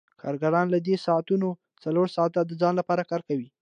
کارګرانو له دې ساعتونو څلور ساعته د ځان لپاره کار کاوه